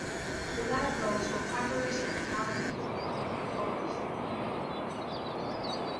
The Rathbones were Quakers and prominent social reformers.